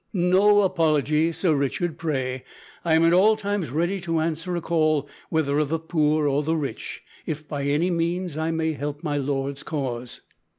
"No apology, Sir Richard, pray. I am at all times ready to answer a call whether of the poor or the rich, if by any means I may help my Lord's cause."